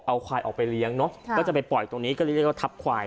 เอาควายออกไปเลี้ยงเนอะก็จะไปปล่อยตรงนี้ก็เลยเรียกว่าทับควาย